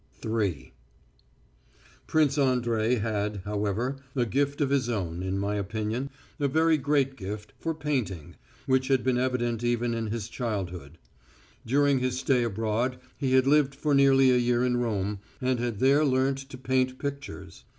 III Prince Andrey had, however, a gift of his own, in my opinion, a very great gift, for painting, which had been evident even in his childhood. During his stay abroad he had lived for nearly a year in Rome, and had there learnt to paint pictures.